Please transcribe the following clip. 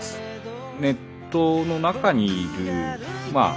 ネットの中にいるまあ